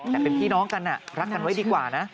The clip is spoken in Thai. แต่เป็นพี่น้องกันรักกันไว้ดีกว่านะ